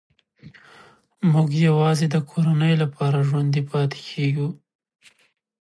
موږ یوازې د کورنۍ لپاره ژوندي پاتې کېږو